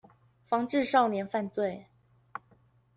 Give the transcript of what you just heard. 防治少年犯罪